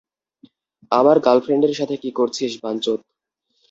আমার গার্লফ্রেন্ডের সাথে কী করছিস, বাঞ্চোত?